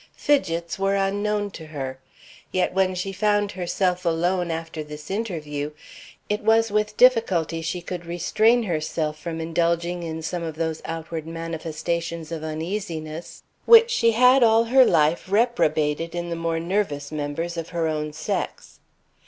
Fidgets were unknown to her. Yet when she found herself alone after this interview, it was with difficulty she could restrain herself from indulging in some of those outward manifestations of uneasiness which she had all her life reprobated in the more nervous members of her own sex.